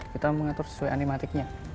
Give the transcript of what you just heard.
kita mengatur sesuai animatiknya